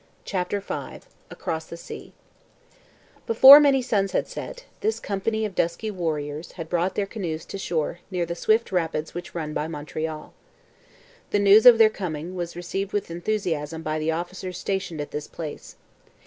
CHAPTER V ACROSS THE SEA Before many suns had set, this company of dusky warriors had brought their canoes to shore near the swift rapids which run by Montreal. The news of their coming was received with enthusiasm by the officers stationed at this place.